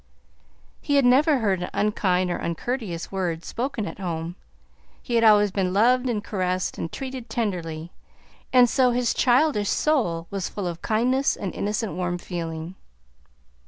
He had never heard an unkind or uncourteous word spoken at home; he had always been loved and caressed and treated tenderly, and so his childish soul was full of kindness and innocent warm feeling.